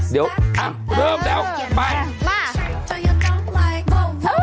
เดี๋ยวอ่ะเริ่มแล้วไปมา